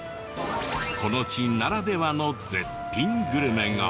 この地ならではの絶品グルメが。